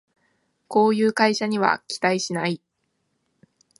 こういう会社には期待しない